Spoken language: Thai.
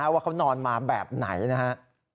ว่านอนมาแบบไหนนะฮะ